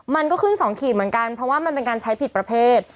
มันก็ขึ้น๒ขีดเหมือนกันเพราะว่ามันเป็นการใช้ผิดประเภท